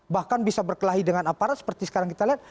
bahkan bisa berkelahi dengan aparat seperti sekarang kita lihat